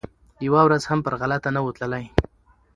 یوه ورځ هم پر غلطه نه وو تللی